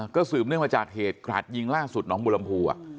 ก็สื่อมเลยมาจากกลาดยิงล่าสุดของบุรมพู